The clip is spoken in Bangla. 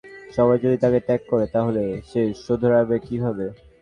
সবাই যদি তাকে ত্যাগ করে তাহলে সে শোধরাবে কীভাবে?